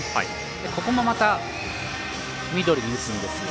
ここも、またミドルに打つんです。